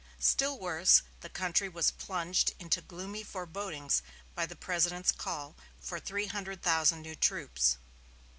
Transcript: Still worse, the country was plunged into gloomy forebodings by the President's call for three hundred thousand new troops.